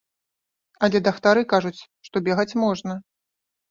Але дактары кажуць, што бегаць можна.